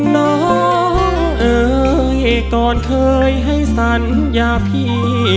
น้องเอ๋ยก่อนเคยให้สัญญาพี่